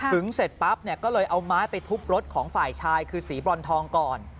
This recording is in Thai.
เสร็จปั๊บเนี่ยก็เลยเอาไม้ไปทุบรถของฝ่ายชายคือสีบรอนทองก่อน